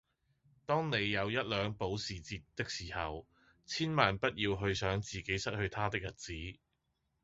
當你有一輛保時捷的時候，千萬不要去想自己失去它的日子